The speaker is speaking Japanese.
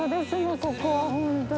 ここは本当に。